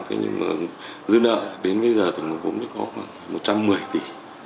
thế nhưng mà dư nợ đến bây giờ tổng nguồn vốn có khoảng một trăm một mươi tỷ